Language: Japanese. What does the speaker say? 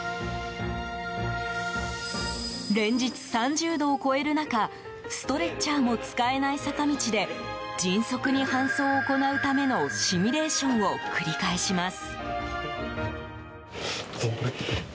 連日３０度を超える中ストレッチャーも使えない坂道で迅速に搬送を行うためのシミュレーションを繰り返します。